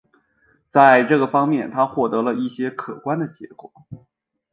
在这个方面他获得了一些可观的结果。